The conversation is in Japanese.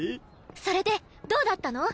それでどうだったの？